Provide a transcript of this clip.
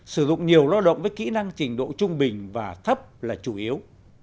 sử dụng nhiều lao động với kỹ năng trình độ trung bình và thấp là chủ yếu